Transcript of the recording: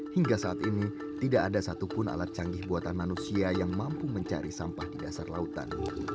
hingga saat ini tidak ada satupun alat canggih buatan manusia yang mampu mencari sampah di dasar lautan